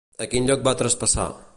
A quin lloc va traspassar?